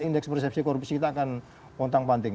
indeks persepsi korupsi kita akan pontang panting